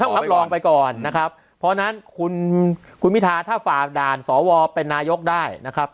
รับรองไปก่อนนะครับเพราะฉะนั้นคุณคุณพิทาถ้าฝากด่านสวเป็นนายกได้นะครับ